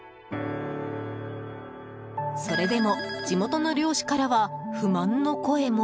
それでも地元の漁師からは不満の声も。